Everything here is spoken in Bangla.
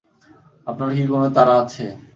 আপনার কি কোনো তাড়া আছে?